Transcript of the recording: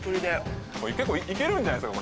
行けるんじゃないですか。